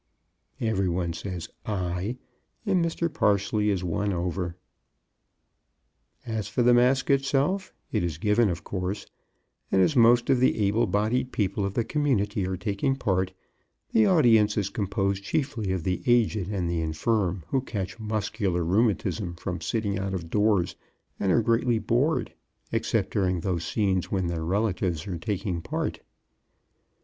Every one says "Aye" and Mr. Parsleigh is won over. As for the masque itself, it is given, of course; and as most of the able bodied people of the community are taking part, the audience is composed chiefly of the aged and the infirm, who catch muscular rheumatism from sitting out of doors and are greatly bored, except during those scenes when their relatives are taking part.